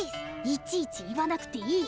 いちいち言わなくていい。